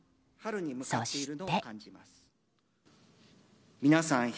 そして。